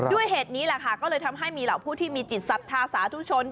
ด้วยเหตุนี้แหละค่ะก็เลยทำให้มีเหล่าผู้ที่มีจิตศรัทธาสาธุชน